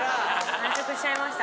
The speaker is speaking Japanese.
完食しちゃいました。